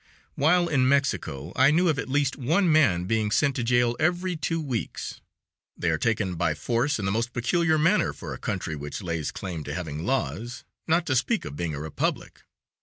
While in Mexico I knew of at least one man being sent to jail every two weeks; they are taken by force, in the most peculiar manner for a country which lays claim to having laws, not to speak of being a republic.